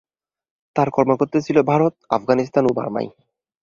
তার কর্মক্ষেত্র ছিল ভারত, আফগানিস্তান ও বার্মায়।